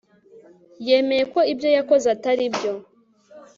yemeye ko ibyo yakoze atari byo